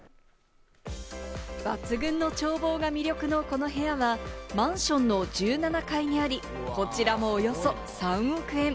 抜群の眺望が魅力のこの部屋はマンションの１７階にあり、こちらもおよそ３億円。